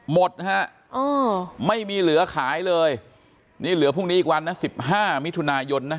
หมดนะฮะไม่มีเหลือขายเลยนี่เหลือพรุ่งนี้อีกวันนะ๑๕มิถุนายนนะ